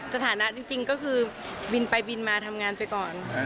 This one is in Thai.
สถานะจริงก็คือบินไปบินมาทำงานไปก่อน